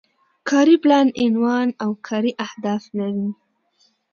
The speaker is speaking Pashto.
کاري پلان عنوان او کاري اهداف لري.